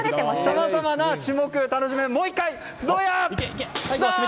さまざまな種目を楽しめます。